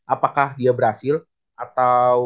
apakah dia berhasil atau